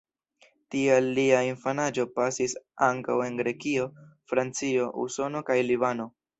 Tial lia infanaĝo pasis ankaŭ en Grekio, Francio, Usono kaj Libano.